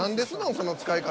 その使い方。